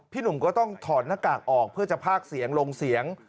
หนุ่มก็ต้องถอดหน้ากากออกเพื่อจะพากเสียงลงเสียง